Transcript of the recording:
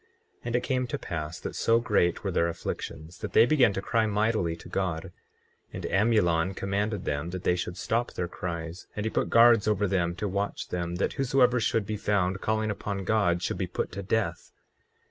24:10 And it came to pass that so great were their afflictions that they began to cry mightily to God. 24:11 And Amulon commanded them that they should stop their cries; and he put guards over them to watch them, that whosoever should be found calling upon God should be put to death.